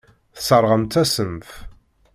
Tesseṛɣemt-asen-t.